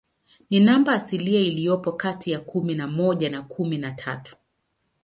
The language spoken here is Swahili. Ni namba asilia iliyopo kati ya kumi na moja na kumi na tatu.